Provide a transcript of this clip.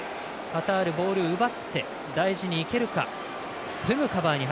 カタール、ボール奪って大事にいけるか。